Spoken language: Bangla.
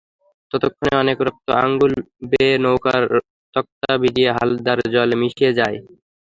ততক্ষণে অনেক রক্ত আঙুল বেয়ে নৌকার তক্তা ভিজিয়ে হালদার জলে মিশে যায়।